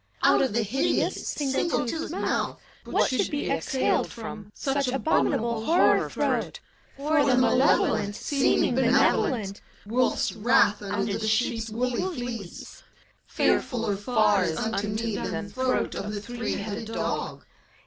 Out of the hideous, single toothed Mouth, what should be exhaled from Such abominable horror throat! For th^ Malevolent, seeming benevolent, — Wolf's wrath under the sheep's woolly fleece, — Fearf uller far is unto me than Throat of the three headed dog.